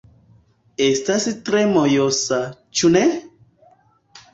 Estas tre mojosa, ĉu ne?